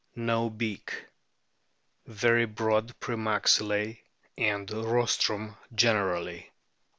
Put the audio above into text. No beak. Very broad pre maxillae and rostrum generally.